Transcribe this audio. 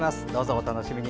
お楽しみに。